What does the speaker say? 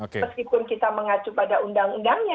meskipun kita mengacu pada undang undangnya